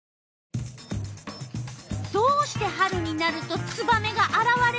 どうして春になるとツバメがあらわれるのか。